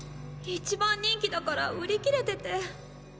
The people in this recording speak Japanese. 一番人気だから売り切れてて。